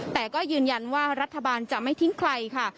แต่ก็ยืนยันว่ารัฐบาลจะไม่ทิ้งใครค่ะ